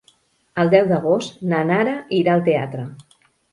El deu d'agost na Nara irà al teatre.